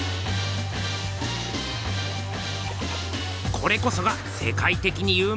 これこそが世界てきに有名な。